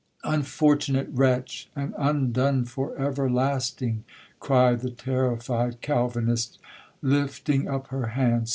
'—'Unfortunate wretch! and undone for everlasting!' cried the terrified Calvinist, lifting up her hands.